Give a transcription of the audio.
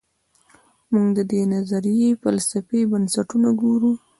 موږ د دې نظریې فلسفي بنسټونه ګورو.